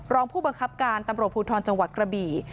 รองผู้บังคับการตำรวจภูทรจังหวัดกระบี่